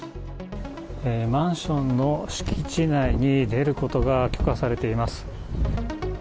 マンションの敷地内に出ることが許可されています。